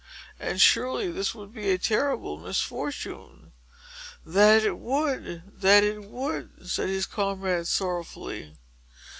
And, surely, this would be a terrible misfortune!" "That it would!—that it would!" said his comrades, sorrowfully.